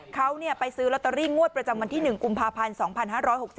เขาไปซื้อลอตเตอรี่งวดประจำวันที่๑กุมภาพันธ์๒๕๖๒